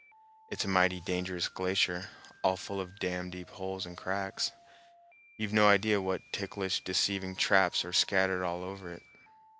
It's a mighty dangerous glacier, all full of damn deep holes and cracks. You've no idea what ticklish deceiving traps are scattered over it."